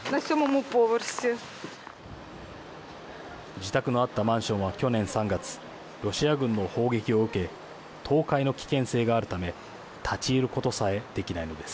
自宅のあったマンションは去年３月ロシア軍の砲撃を受け倒壊の危険性があるため立ち入ることさえできないのです。